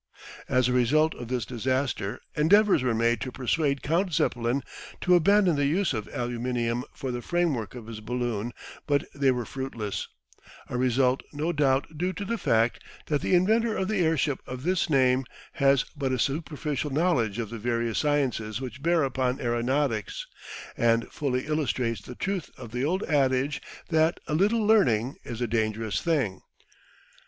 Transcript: As a result of this disaster endeavours were made to persuade Count Zeppelin to abandon the use of aluminium for the framework of his balloon but they were fruitless, a result no doubt due to the fact that the inventor of the airship of this name has but a superficial knowledge of the various sciences which bear upon aeronautics, and fully illustrates the truth of the old adage that "a little learning is a dangerous thing."